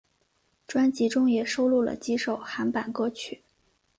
专辑中也收录了几首韩版歌曲。